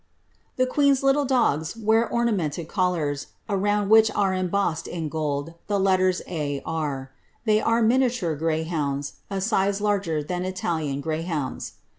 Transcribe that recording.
' The queen's little dogs wear ornamented collars, round which are embossed, in gold, the letters ^^A. R. ;" they are miniature greyhounds, a size larger than Italian greyhounds.